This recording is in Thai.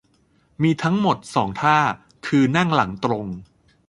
มีทั้งหมด สอง ท่า คือ นั่งหลังตรง